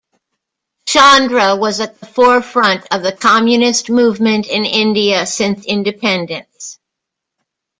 Chandra was at the forefront of the communist movement in India since independence.